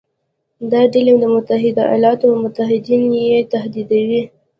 دا ډلې د متحده ایالاتو او متحدین یې تهدیدوي.